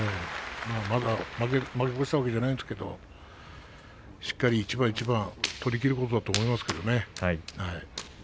まだ負け越したわけじゃないですが、しっかり一番一番取りきることだと思いますね。